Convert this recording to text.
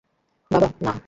বাবা, না!